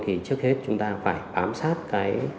thì trước hết chúng ta phải ám sát cái